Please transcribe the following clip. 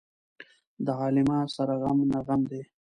د عالمه سره غم نه غم دى.